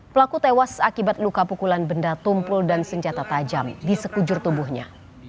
pelaku tewas akibat luka pukulan benda tumpul dan senjata tajam di sekujur tubuhnya